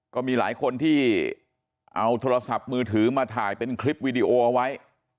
ก็มีหลายคนที่เอาโทรศัพท์มือถือมาถ่ายเป็นคลิปวีดีโอเอาไว้